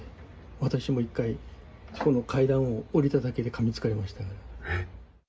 私も一回、この階段を下りただけでかみつかれました。